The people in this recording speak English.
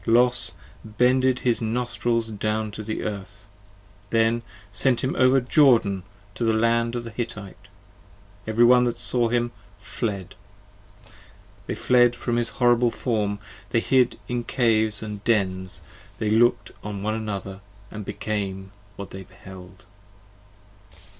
Los bended his Nostrils down to the Earth, then sent him over Jordan to the Land of the Hittite; every one that saw him Fled! they fled at his horrible Form; they hid in caves 50 And dens, they looked on one another & became what they beheld.